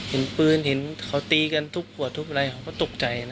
เห็นปืนเห็นเขาตีกันทุบขวดทุบอะไรเขาก็ตกใจนะ